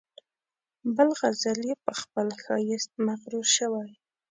بل غزل یې په خپل ښایست مغرور شوی.